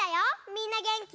みんなげんき？